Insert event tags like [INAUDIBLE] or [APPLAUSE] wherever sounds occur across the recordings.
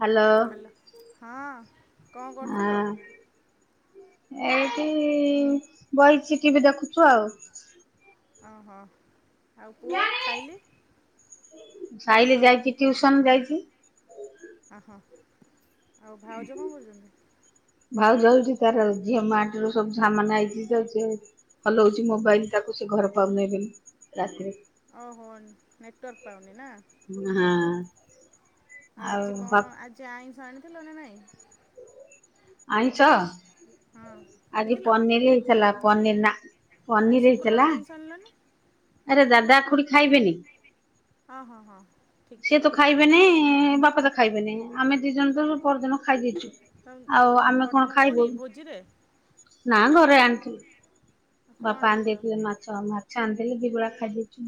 Hello. କଣ କରୁଥିଲ ଏଇଠି ବଇଚି ଟି ଭି ଦେଖୁଚୁ ଆଉ। ଅଁ ହଁ ଆଉ ପୁଅ [UNINTELLIGIBLE] ସାଇିଲ ଯାଇଚି ଟ୍ଯୁସନ ଯାଇଚି। ଅହ ଆଉ ଭାଉଜ କଣ କରୁଚନ୍ତି? ଭାଉଜ ହୋଉଚି ତାର ଜିଓମାର୍ଟ ରୁ ସବୁ ସାମାନ ଆଇଚି ଯାଉଚି। ହଲଉଚି ମୋବାଇଲ ତାକୁ ସେ ଘର ପାଉ ନାଇ [UNINTELLIGIBLE] ଅହ ହୋଉ ନେଟୱର୍କ୍ ପାଉନି ନା? ହଁ। ଆଉ ଆଜି ବା କଣ ଆଜି ଆଇଁଷ ଆଣିଥିଲ ନା ନାଇଁ? ଆଇଁସ? ହଁ ଆଜି ଆଣିଥିଲ ପନିର ହେଇଥିଲା ପନିର ନା ଆଜି ପନିର ଶୁକ୍ରବାର ହେଇଥିଲା। ଆଇଁଷ ଆଣିଲନି ଆରେ ଦାଦା ଖୁଡି ଖାଇବେନି। ହଁ ହଁ ହଁ ଠିକ୍ ଠିକ୍। ଖାଇବେନିଁ ବାପା ତ ଖାଇବେନିଁ ଆମେ ଦୁଇ ଜଣ ତ ପରଦିନ ଖାଇ ଦେଇଚୁ। ଆଉ ଆମେ କଣ ପରଦିନ ଖାଇବୁ? [UNINTELLIGIBLE] ନାଁ ଘରେ ଆଣିଥିଲେ କଣ ବାପା ଆଣି ଆଣିଥିଲ ଦେଇଥିଲେ ମାଛ ଭାତ ଚାନ୍ଦିଲି ଦିଗୁଳା ଖାଇଯାଇଚୁ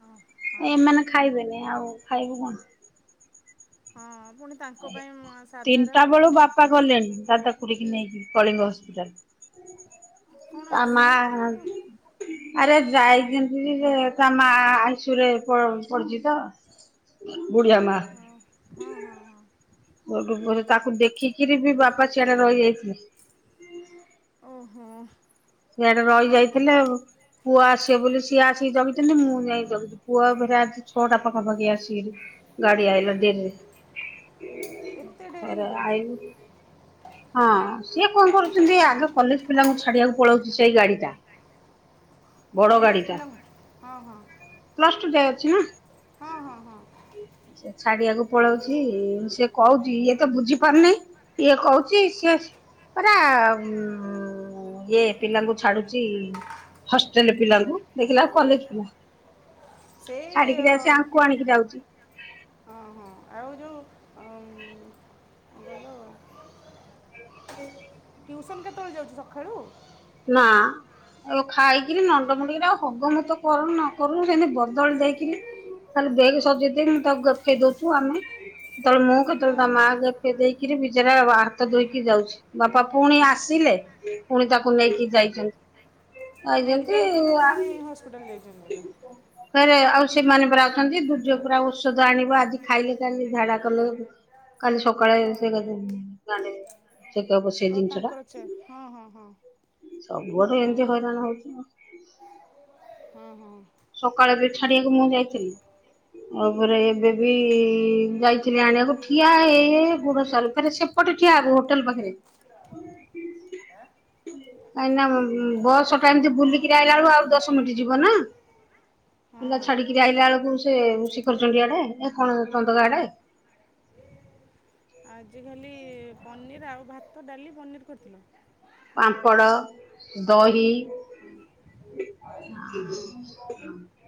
ହଁ ହଁ ହଁ ଏମାନେ ଖାଇବେନି ଆଉ ଖାଇବୁ କଣ? ହଁ ପୁଣି ତାଙ୍କ ପାଇଁ ସାଧା ରେ ତିନିଟା ହବ ବେଳୁ ପୁଣି ବାପା ଗଲେଣି ଦାଦା ଖୁଡ଼ି ଙ୍କୁ ନେଇକି କଳିଙ୍ଗ ହସ୍ପିଟାଲ। କଣ ତା ମା ଆସିନାହାନ୍ତି ସେ ତ ଆରେ ଯାଇ ଯେମିତି ଯେ ତା ମା ଆଇସୁରେ ପଡିଚି ତ। ବୁଢିଆମା। ଓ ହଁ ହଁ ହଁ। ଦେ ତାକୁ ଦେଖିକିରି ବି ବାପା ସିଆଡେ ରହିଯାଇଥିଲେ। ଓହୋ। ସେଆଡେ ରହି ଯାଇଥିଲେ ଆଉ। ପୁଅ ଆସିବେ ବୋଲି ସିଏ ଆସିକି ଜଗିଚନ୍ତି ମୁଁ ଯାଇ ଜଗିଚି, ପୁଅ ଫେ [UNINTELLIGIBLE] ଛୋଟା ପାଖା ପାଖି ଆସିି ଗାଡି ଆଇଲା ଦେଖ୍। ଏତେ ଡେରି ହଇଯାଉଚି। ଆଇଲୁ ହଁ ସିଏ କଣ କରୁଛନ୍ତି ଆଗେ କଲେଜ ପିଲାଙ୍କୁ ଛାଡିବାକୁ ପଳଉ ସେଇ ଗାଡି ଟା। ବଡ କଲେଜ ଗାଡିଟା ପିଲାଙ୍କୁ ହଁ ହଁ ପ୍ଲସ ଟୁ ଯାଏ ଅଛି ନା। ହଁ ହଁ ହଁ। ସେ ଛାଡ଼ିଆକୁ ପଳଉଚି, ସେ କହୁଚି ଇଏ ତ ବୁଝି ପାରୁନି। ଇଏ କହୁଚି ସେ ପରା ଉ ଏ ପିଲାଙ୍କୁ ଛାଡୁଛି ହଷ୍ଟେଲ ପିଲାଙ୍କୁ, ଦେଖିଲା କଲେଜ୍ ପିଲା ସେଇ ଛାଡିକିରି ଅ, ଆସି ଆଙ୍କୁ ଆଣିକି ଯାଉଛି। ହଁ ହଁ ଆଉ ଯେଉଁ, ଉଁ ଗଲୁ ହୁଁ ଟ୍ୟୁସନ୍ କେତେବେଳେ ଯାଉଛି ସକାଳୁ? ନା ଆଉ ଖାଇକିରି ନଣ୍ଡମୁଣ୍ଡି କିରେ ଆଉ ହଗ ମୁତ କରୁ ନ କରୁ ସେମିତି ବଦଳି ଦେଇକିରି ଖାଲି ବେଡ୍ ସଜେଇ ଦେଇ ତାକୁ ଦେଖେଇ ଦଉଛୁ ଆମେ। କେତେବେଳେ ମୁଁ, ଏ କେତେବେଳେ ତା ମା ହଁ ସେ ଦେଇକିରି ବିଚରା ହାତ ଧୋଇକି ଯାଉଛି, ବାପା ପୁଣି ଆସିଲେ ପୁଣି ତାକୁ ଫୁଣି ନେଇକି ଯାଇଛନ୍ତି, ନେଇକି ଯାଇଛନ୍ତି ଯାଇକି ବୋଧେ ପୁଣି ହସ୍ପିଟାଲ ଯାଇଛନ୍ତି ବୋଧେ ଫେରେ ଆଉ ସେମାନେ ପୁରା ଅଛନ୍ତି। ଦୁଜ ପରା ଔଷଧ ଆଣିବ ଆଜି ଖାଇଲେ କାଲି ଝାଡା କମିବ କାଲି ସକାଳେ ଓ ସେ ଦେଖିବୁ ଗାଁରେ ଆଉ ତାଙ୍କର ଛେ- ହଁ ହଁ ହଁ। ସବୁଆଡ଼ୁ ଓ ଏମିତି ହଁ ହଇରାଣ ହଉଛି। ହଁ ହଁ। ସକାଳେ ବି ଛାଡିବାକୁ ମୁଁ ଯାଇଥିଲି। ଆଉପରେ ଏବେ ବି ଯାଇଥିଲି ଆଣିବାକୁ ଠିଆ ହେଇ ହେଇ ଗୁଡ ସରକରେ ସେ କୋଉଠି ଠିଆ ହବୁ ହୋଟେଲ ପାଖରେ? ଆ କାହିଁକି ନା ବସ୍ ଟା ଏମିତି ବୁଲିକିରି ଆଇଲା ବେଳୁକୁ, ଆଉ ଦଶ ମିଣ୍ଟି ଯିବ ନା। ପିଲା ଛାଡିକିରି ଆଇିଲା ବେଳକୁ ସେ ଶିକର ଚଣ୍ଡି ଆଡେ, ଏ କଣ ଚନ୍ଦକା ଆଡେ। ଆଜିଖାଲି ପନିର୍ ଆଉ ଭାତ, ଡାଲି, ପନିର୍ କରିଥିଲ? ପାମ୍ପଡ଼ ଦହି ହୁଁ।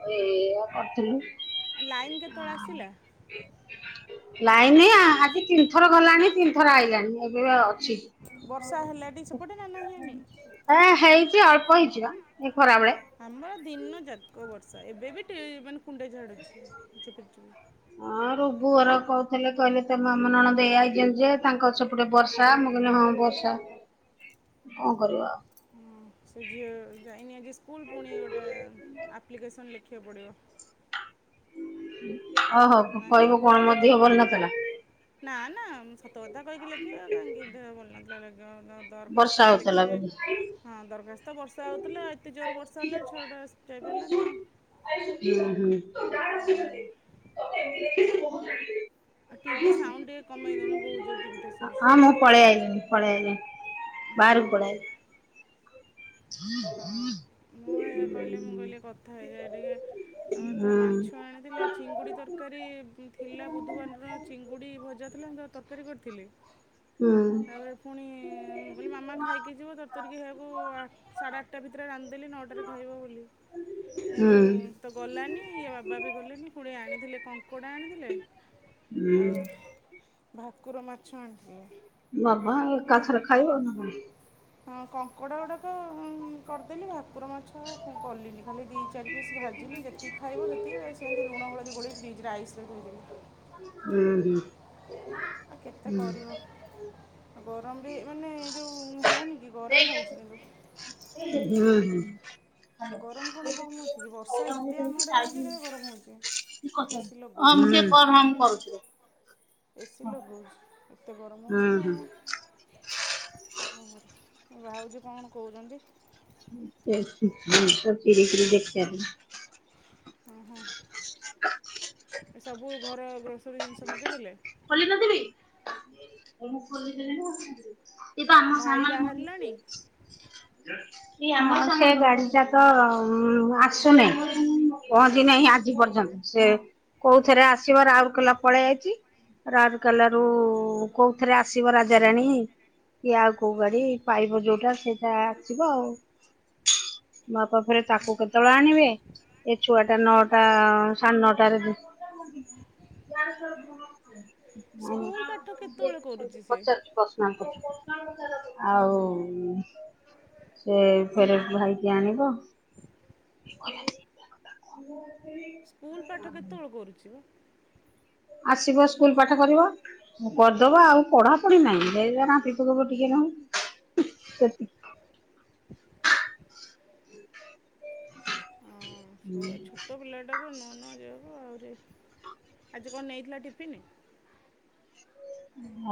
ଏଇଆ କରିଥିଲୁ। ଲାଇନ୍ କେତେବେଳେ ଆସିଲା? ଲାଇନ୍ ଆଜି ତିନିଥର ଗଲାଣି, ତିନିଥର ଆଇଲାଣି, ଏବେ ଅଛି। ବର୍ଷା ହେଲାଟି ସେପଟେ ନା ନାହିଁ ହେଇନି? ଏ ହେଇଛି ଅଳ୍ପ ହେଇଛି ବା ଏ ଖରାବେଳେ। ଆମର ଦିନଯାକ ବର୍ଷା। ଏବେବି ଟି ମାନେ କୁଣ୍ଡେ ଝଡ଼ୁଛି ଝୁପିର୍, ଝୁପିର୍। [INAUDIBLE] ତୋ ପୁଅର କହୁଥିଲେ। କହିଲେ ତୋ ମାମୁଁ ନଣଦେଇ ଆଇଛନ୍ତି ଯେ, ତାଙ୍କର ସେପଟେ ବର୍ଷା ମୁଁ କହିଲି ହଁ ବର୍ଷା। [INAUDIBLE] କଣ କରିବା ଆଉ। ହୁଁ। ସେ ଝିଅ ଯାଇନି ଆଜି ସ୍କୁଲ୍। ପୁଣି ଗୋଟେ ଆପ୍ଲିକେସନ୍ ଲେଖିବାକୁ ପଡ଼ିବ। ହୋଉ, ହୋଉ ତାଙ୍କର କହିବୁ କଣ ଗୋଟେ ମୋ ଦିନ ଧିଅ ନ ଭଲ ନଥିଲା। ନା ନା, ସତକଥା କହିକି ଲେଖିବି। କାହିଁକି ଦେହ ଭଲ ନଥିଲା ଲେଖିବି। ବର୍ଷା ଦରଖାସ୍ତ ଟେ ହଉଥିଲା ଲେଖିବେ। ବୋଲି। ହଁ ଦରଖାସ୍ତ ତ ବର୍ଷା ହେଉଥିଲା, ଆଉ ଏତେ ଜୋରେ ବର୍ଷା ହେଲା ଛୁଆଟା ଯାଇପାରିଲାନି ଆଉ। ହୁଁ, ହୁଁ- [UNINTELLIGIBLE] ଆଉ ଆଉ ଟିଭି ସାଉଣ୍ଡ ଟିକେ କମେଇ ଦେଉନ ବହୁତ ଜୋର ଟିଭିଟା ଶୁଭୁଛି ହଁ ମୁଁ ପଳେଇ ଆଇଲିଣିି। ପଳେଇ ଆଇଲିଣି, ବାହାରକୁ ହଁ ପଳେଇଆଇଲି। ହଁ। ମୁଁ ହେରା କହିଲେ, ମୁଁ କହିଲି କଥା ହେଇଯାଏ ଟିକେ ଆମର ହୁଁ ତ ମାଛ ଆଣିଥିଲେ ଚିଙ୍ଗୁଡ଼ି ତର ତରକାରୀ ଥିଲା, ବୁଧୁବାରର ଚିଙ୍ଗୁଡ଼ି ଭଜା ଥିଲା ମୁଁ ତା ତରକାରୀ କରିଥିଲି। ହୁଁ ତାପରେ ଫୁଣି, ମୁଁ କହିଲି ମାମା ଖାଇକି ଯିବ। ତର ତରିକି ହେକୁ ସାଢେ ଆଠ ତା ଭିତରେ ରାନ୍ଧିଦେଲି ନଅଟାରେ ଖାଇବ ବୋଲି। ହୁଁ କିନ୍ତୁ ତ ଗଲାନି ଇଆ ବାବା ବି ଗଲେନି। ଫୁଣି ଆଣିଥିଲେ କଙ୍କଡ଼ା ଆଣିଥିଲେ ଆଉ ହୁଁ ଭାକୁର ମାଛ ଆଣିଥିଲେ। ମାମା ଯେ ଏକାଥରେ ଖାଇବ ନା କଣ? ହଁ କଙ୍କଡ଼ା ଗୁଡ଼ାକ କରିଦେଲି ଭାକୁର ମାଛ କଲିନି ଖାଲି ଦି ଚାରି ପିସ୍ ଭାଜିଲି ଯେତିକି ଖାଇବ। ସେ ସେମିତି ଲୁଣହଳଦି ଗୋଲେଇକି ଫ୍ରିଜରେ ଆଇସରେ ଥୋଇଦେଲି। ହୁଁ ହୁଁ। ଆଉ କେତେ ହୁଁ କରିବ? ଆଉ ଗରମ ବି ମାନେ ଯୋଉ ହୋଉନି କି ଗରମ ହୋଉଛି କିନ୍ତୁ। ହୁଁ ହୁଁ। ଗରମ କଣ କମ ଅଛି କି ବର୍ଷା ଏତେ ଏତେ ଆମ ଆଡ଼େ ହୋଉଛି କିନ୍ତୁ ଗରମ ହୋଉଛି ଏସି ଲଗାଉଛୁ ବା। ହଁ ହଁ ମୁଁ କରୁଛି ରୁହ। ଏସି ଲଗାଉଛି ଏତେ ଗରମ ହୁଁ ହଉଛି ହୁଁ କଣ ଭାଉଜୀ କଣ କହୁଛନ୍ତି? ସେ ଜିନ୍ସ ଚିରି କିରି ଦେଖଆ [UNINTELLIGIBLE] ହଁ ହଁ। [INAUDIBLE] ଏ ସବୁ ଘର ଗ୍ରୋସରୀ ଜିନିଷ ମଗେଇଦେଲେ? [UNINTELLIGIBLE] ଭାଇ ବାହାରିଲାଣି? କି ଆମର ସେ ଗାଡି ଟା ତ ଆସୁନି। ହଁ ପହଞ୍ଚି ନାହିଁ ଆଜି ପର୍ଯ୍ୟନ୍ତ ସେ କୋଉଥିରେ ଆସିବ ରାଉ କେଲା ପଳେଇ ଆଇଛି, ରାଉକେଲାରୁ ହଁ। କୋଉଥରେ ଆସିବ ରାଜାରାଣୀ କି ଆଉ କୋଉ ଗାଡି ପାଇବ ଯୋଉଟା ସେ ଇଟା ଆସିବ ଆଉ, ମା ପାଖରେ ତାକୁ କେ ତେବେଳେ ଆଣିବେ ଏ ଛୁଆଟା ନଅଟା ସାଢେ ନଅଟାରେ [UNINTELLIGIBLE] ସ୍କୁଲ ପାଠ କେତେବେଳେ କରୁଛି ସେ? ପଚାରୁଛି [UNINTELLIGIBLE] ଆଉ ସେ ଫେରେ ଭାଇକି ଆଣିବ। ସ୍କୁଲ ପାଠ କେତେବେଳେ କରୁଛି ବା? ଆସିବ ସ୍କୁଲ ପାଠ କରିବ। ମୁଁ କରିଦବା ଆଉ ପଢାପଢି ନାହିଁ ଦେ ରାମପି ପକେଇବ ଟିକେ ନାକୁ। ଉଁ ସେତିକି। ଅ ଛୋଟ ପିଲାଟାକୁ ନୂଆ ନୂଆ ଯାଗାକୁ ଆହୁରି ଆଜି କଣ ନେଇଥିଲା ଟିଫିନ୍?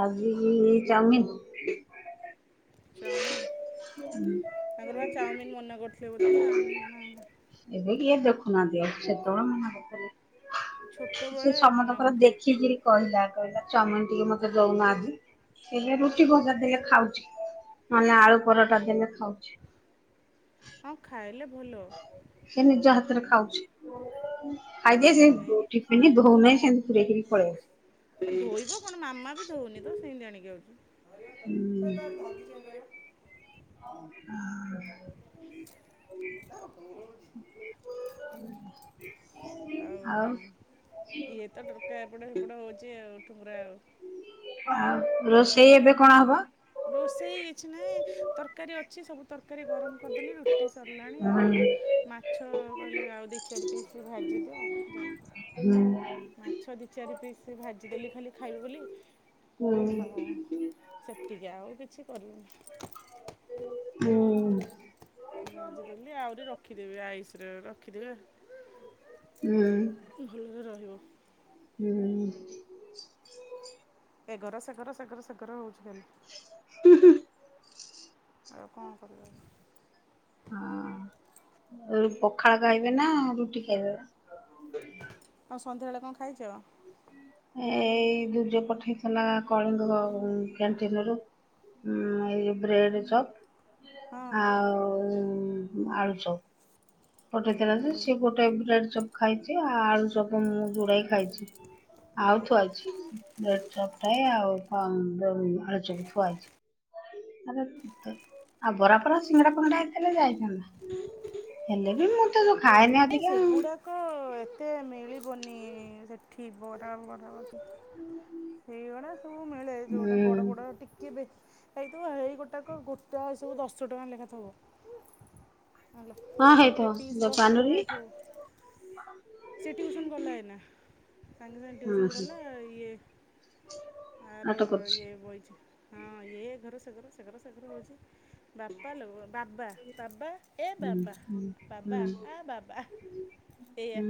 ଆଜି ଚାଉମିିନ। ଚାଉମିନ୍ ତାଙ୍କର ବା ଚାଉମିନ୍ ମନା କରିଥିଲେ ବୋଧେ ନା ନା [UNINTELLIGIBLE] ଏବେ କିଏ ଦେଖୁନାହାନ୍ତି ଆଉ ସେତେବେଳେ ମନା କର୍ଥୁଲେ। ସେ ଛୋଟବେଳେ ମନା ସମସ୍ତଙ୍କର କରୁଥିଲେ ଦେଖିକିରି କହିଲା କହିଲା, ଚାଓମିନ ଟିକେ ମତେ ଦଉନ ଆଜି ହେଲେ ରୁଟି ଭଜା ଦେଲେ ଖାଉଛି। ନହେଲେ ଆଳୁ ପରଟା ଦେଲେ ଖାଉଛି। ହଁ ଖାଇଲେ ଭଲ ଏ ନିଜ ହାତରେ ଏ ଖାଉଛି। ଖାଇଦିଏ ହଁ ସେ ଏ ଟିଫିନ୍ ଧଉନାହିଁ ସେମିତି ପୁରେଇକୀରି ପଳେଇଆଉଛି। ଧୋଇବ କଣ ମାମା ବି ଧଉନି ତ ସେମିତି ଆଣିକି ହୁଁ ଆଉଚି। [INAUDIBLE] [UNINTELLIGIBLE] [INAUDIBLE] ଆଉ ଇଏ ତ ଟୋକା ଏପଟ ହେପଟ ହୋଉଛି ଆଉ ଠୁଙ୍ଗରା ଆଉ। ଆଉ ରୋଷେଇ ଏବେ କଣ ହବ? ରୋଷେଇ କିଛି ନାହିଁ ତରକାରୀ ଅଛି ସବୁ ତରକାରୀ ଗରମ କରିଦେଲି ରୁଟି ସରିଲାଣି ଆଉ। ହୁଁ ମାଛ କହିଲେ ଆଉ ଦିଇ ଚାରି ପିସ୍ ଭାଜି ଦିଅ ତ ହୁଁ। ମାଛ ଦି ଚାରି ପିସ୍ ଭାଜିଦେଲି ଖାଲି ଖାଇବେ ବୋଲି। ଆଉ ହୁଁ। ସେତିକି ଆଉ କିଛି କରିନି। ହୁଁ ଭାଜି ଦେଲି ଆହୁରି ରଖିଦେବି ଆଇସିରେ ରଖିଦେବି। ହୁଁ ଭଲରେ ରହିବ ହୁଁ। ଏଗର ଶେଗର ଶେଗର ଶେଗର ହୋଉଚି କାଲି। ହୁ ହୁ। ଆଉ କଣ କରିବା? ଆଁ ରୁ ପଖାଳ ଖାଇବେ ନା ରୁଟି ଖାଇବେ। ଆଉ ସନ୍ଧ୍ୟାରେ କଣ ଖାଇଚ। ଏଇ ଦୁଜ ପଠେଇଥିଲା କଳିଙ୍ଗ କ୍ୟାଣ୍ଟିନ ରୁ। ଉ ଏଇ ବ୍ରେଡ ହଁ ଚପ ହଁ ଆଉ ଆଳୁ ଚପ୍। ପଟେଇଥିଲା ଯେ ସେ ଗୋଟେ ବ୍ରେଡ ଚପ୍ ଖାଇଚି ଆ ଆଳୁ ଚପ ମୁଁ ଗୁଡାଏ ଖାଇଚି। ଆଉ ଥୁଆଏଚି ବ୍ରେଡ ଚପ ଟାଏ ଆଉ ଅମ୍ ଜଉ ଆଳୁଚପ୍ ଥୁଆ ଏଇଚି। ଆଉ ବରାପର ସିଙ୍ଗଡା ପିଙ୍ଗଡା ହେଇଥିଲେ ଯାଇଥାନ୍ତି। ହେଲେ ବି ମୁଁତାଦୋ ନାଇଁ ସେଗୁଡାକ ଏତେ ମିଳିବନି ସେଠି ବରା ବରା ସେଇଗୁଡା ସବୁ ମିଳେ ଜୋଉଟା ହୁଁ ବଡ ବଡ ଟିକେ ବେସ୍ ହେଇଥିବ ହେଇ ଗୋଟାକ ଗୋଟା ଏ ସବୁ ଦଶ ଟଙ୍କା ଲେଖା ଥବ। ହ୍ୟାଲୋ ହଁ ଗୋଟେ ହେଇଥିବ ପିସ୍ ଯୋଉ ଦଶ ଟଙ୍କା ପାନୁରି ହୋଇଥିବ। ସେ ଟିଉସନ୍ ଗଲା ଏନା ସାଙ୍ଗେ ସାଙ୍ଗେ ହୁଁ ଟିଉସନ୍ ହୁଁ ଗଲା ଇଏ ଆର ନାଟ କରୁଛି। ଇଏ ବଇଚି ହଁ ଇଏ ଏଘର ସେଗର ଶେଗର ଶେଗର ହେଉଚି। ବାପା ଲୋ ବାବା ବାବା ଏ ହୁଁ ବାବା ହୁଁ ହୁଁ ବାବା ଆ ବା ବା ଏଆ।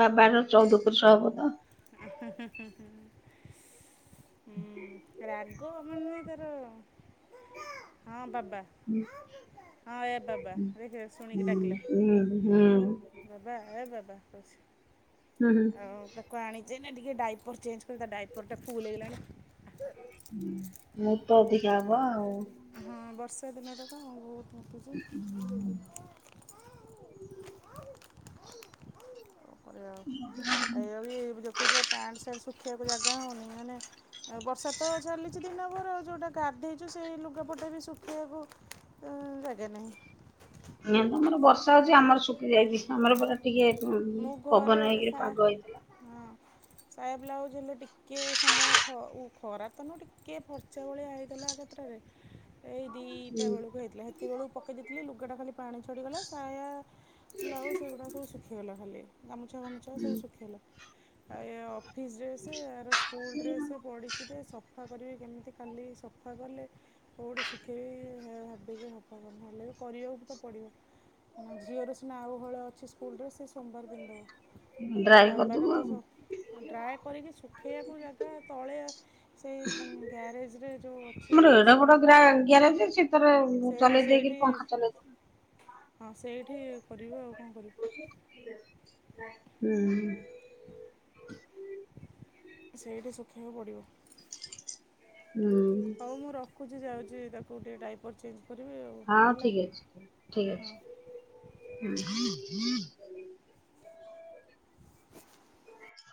ବାବାର ଚଉଦ ପୁରୁଷ ହବ ତ ଏଁ ହେଁ ହେଁ ହେଁ ହେଁ ହୁଁ ରାଗ ମାନେ ହ ହଁ ବାବା। ହଁ ଏ ବାବା ଦେଖେ ହୁଁ ଶୁଣିକି ଡାକିଲା। ହୁଁ ହୁଁ ବାବା ଏ ବାବା କୋଉଚି। ହୁଁ ହୁଁ ଆଉ ତାକୁ ଆଣିଚି ନା ଟିକେ ଡାଇପର ଚେଞ୍ଜ କରେ ତା ଡାଇପର ଟା ଫୁଲ ହେଇଗଲାଣି। ମୁଁ ତ ଅଧିକା ହବ ଆଉ। ହଁ ବର୍ଷା ଦିନଟା ତ ବୋହୁତ ମୁତୁଚି। ଏୟା ବି ଦେଖୁଛ ପ୍ୟାଣ୍ଟ ଶାଟ୍ ସୁକେଇବାକୁ ଜାଗା ହଉନି ମାନେ ଆଉ ବର୍ଷା ତ ଚାଲିଚି ଦିନ ବେଳୁ ଆଉ ଯୋଉଁଟା ଗାଧେଚୁ ସେଇ ଲୁଗାପଟା ବି ଶୁଖେଇବାକୁ ତ ଜାଗା ନହିଁ। ନି ତ ମର ବର୍ଷା ହୋଉଚି ଆମର ଶୁକି ଯାଇଚି ଆମର ପୁରା ଟିକେ ମୁଁ ଘରେ ପବନ ହେଇକିରି ସା ପାଗ ହେଇଥିଲା। ହଁ। ସାୟା ବ୍ଲାଉଜ ହେଲେ ଟିକେ ସମୟ ଖ ଉ ଖରା ତନୁ ଟିକେ ଫର୍ଚା ଭଳିଆ ହେଇଥିଲା କେତେଟାରେ [INAUDIBLE] ଏଇ ଦିଇଟା ବେଳକୁ ହେଇଥିଲା ହେତିକ ବେଳକୁ ପକେଇ ଦେଇଥିଲି ଲୁଗାଟା ଖାଲି ପାଣି ଛାଡ଼ିଗଲା ସାୟା ବ୍ଲାଉଜ ଏଗୁଡା ସବୁ ଶୁଖିଗଲା ଖାଲି ଗାମୁଛା ପାମୁଛା ସବୁ ଡ୍ରାଏ ଶୁଖିଇଗଲା। ହାଏ ଅଫିସ୍ ଡ୍ରେସେ ଆର ସ୍କୁଲ ଡ୍ରେସେ ପଡିଚିଜେ ସବ ସଫା କରିବି କେମିତି କାଲି ସଫା କଲେ----' କୋଉଟି ଶୁଖେଇ ବି ଭାବିକି ପ କ ଉ ନଥିଲି ହେଲେ କରିବାକୁ ତ ପଡ଼ିବ। ଆନା ଝିଅର ସିନା ଆଉହଳେ ଅଛି ସ୍କୁଲ ଡ୍ରେସେ ସୋମବାର ପିନ୍ଧ୍ଦବ। ତାପ ବାବାର କରିଦବୁ ତ ଆଉ। ସ ଡ୍ରାଏ କରିକି ଶୁଖେଇବାକୁ ଜାଗା ତଳେ ସେଇ ଗ୍ୟାରେଜରେ ଯଉ ଅଛି ଆମର ଏଡେ ବଡ ଗ୍ରା ଗ୍ୟାରେଜ ସେ ତାର [UNINTELLIGIBLE] ସେଇ ଚଲେଇ ସେଇଠି [UNINTELLIGIBLE] ହଁ ସେଇଠି କରିବ ଆଉ କଣ କରି ହୁଁ। ସେଇଠି ଶୁଖେଇବାକୁ ପଡ଼ିବ। ହୁଁ। ହଉ ମୁଁ ରଖୁଛି ଯାଉଛି ତାକୁ ଟିକେ ଡାଇପର୍ ଚେଞ୍ କରିବି ଆଉ ହଁ ହେଲା ଠିକ ଅଛି ଠିକ ହଁ ଅଛି। [INAUDIBLE]